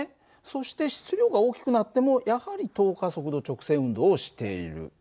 そして質量が大きくなってもやはり等加速度直線運動をしている。